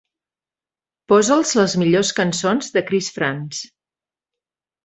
Posa'ls les millors cançons de Chris Frantz.